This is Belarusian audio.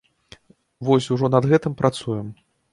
Вось, ужо над гэтым працуем.